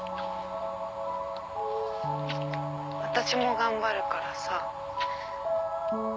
私も頑張るからさ。